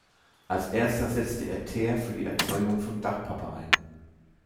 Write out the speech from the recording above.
Als erster setzte er Teer für die Erzeugung von Dachpappe ein.